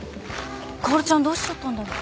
薫ちゃんどうしちゃったんだろう。